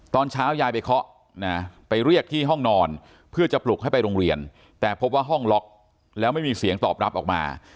ตอนเช้ายายไปเคาะนะไปเรียกที่ห้องนอนเพื่อจะปลุกให้ไปโรงเรียนแต่พบว่าห้องล็อกแล้วไม่มีเสียงตอบรับออกมา